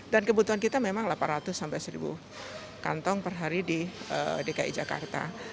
dan kebutuhan kita memang delapan ratus sampai seribu kantong per hari di dki jakarta